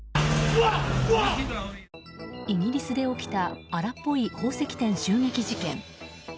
イギリスで起きた荒っぽい宝石店襲撃事件。